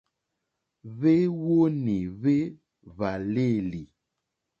Hwéwónì hwé hwàlêlì.